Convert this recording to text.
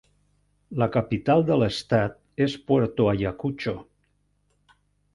La capital de l'estat és Puerto Ayacucho.